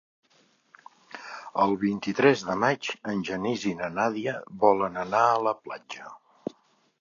El vint-i-tres de maig en Genís i na Nàdia volen anar a la platja.